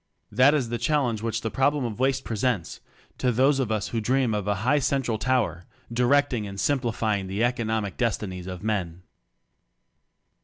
That is the challenge which the problem of waste presents to those of us who dream of a high central tower directing and simplifying the economic destinies of men.